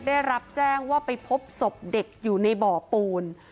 ได้รับแจ้งว่าไปพบศพเด็กอยู่ในบ่อปูน